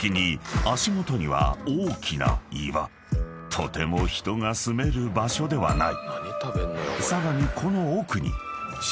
［とても人が住める場所ではない］